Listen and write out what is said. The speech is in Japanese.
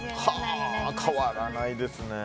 変わらないですね。